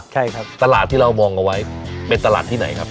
ใช่ครับตลาดที่เรามองเอาไว้เป็นตลาดที่ไหนครับ